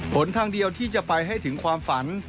ผลทางเดียวที่จะไปให้ถึงความฝัน